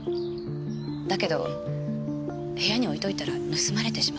だけど部屋に置いといたら盗まれてしまって。